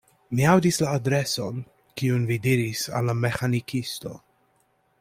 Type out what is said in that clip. Mi aŭdis la adreson, kiun vi diris al la meĥanikisto.